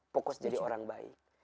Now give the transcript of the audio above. fokus jadi orang baik